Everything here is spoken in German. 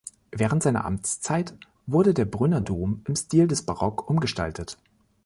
Während seiner Amtszeit wurde der Brünner Dom im Stil des Barock umgestaltet.